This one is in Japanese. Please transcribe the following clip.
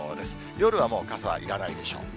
夜はもう傘はいらないでしょう。